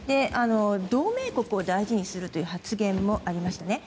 同盟国を大事にするという発言もありましたね。